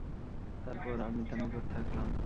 তারপর আমি তার নিকট থাকলাম।